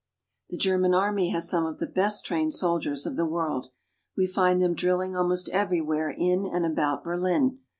The German army has some of the best trained soldiers 2l6 GERMANY. of the world. We find them drilling almost everywhere in and about Berlin.